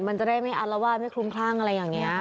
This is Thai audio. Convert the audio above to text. มันจะได้ไม่อารวาสไม่คลุ้มคลั่งอะไรอย่างนี้